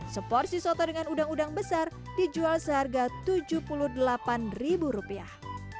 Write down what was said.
seporsi soto dengan udang udang besar dijual seharga tujuh puluh delapan ribu rupiah